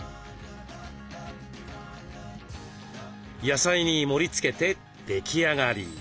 野菜に盛りつけて出来上がり。